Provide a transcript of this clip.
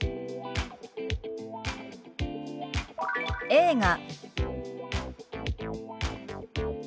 「映画」。